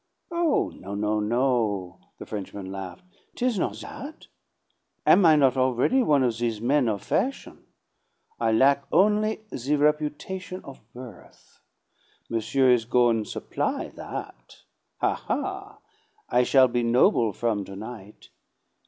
"Oh, no, no, no!" The Frenchman laughed. "'Tis not that. Am I not already one of these 'men of fashion'? I lack only the reputation of birth. Monsieur is goin' supply that. Ha, ha! I shall be noble from to night.